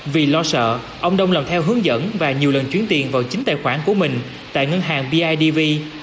vì lo sợ ông đông làm theo hướng dẫn và nhiều lần chuyển tiền vào chính tài khoản của mình tại ngân hàng bidv